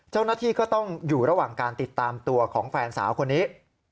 เจ้าหน้าที่ก็ต้องอยู่ระหว่างการติดตามตัวของแฟนสาวคนนี้